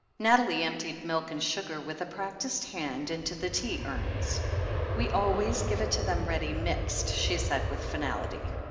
Nathalie emptied milk and sugar with a practised hand into the tea urns. "We always give it to them ready mixed," she said with finality.